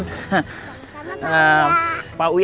sama pak uya